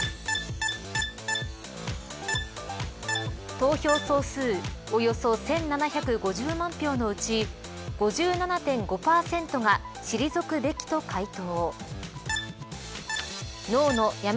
投票総数およそ１７５０万票のうち５７．５％が退くべきと回答。